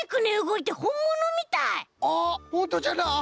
あっほんとじゃな！